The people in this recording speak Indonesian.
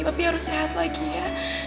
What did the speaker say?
tapi harus sehat lagi ya